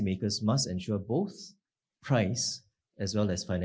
pengurusan kebijakan harus memastikan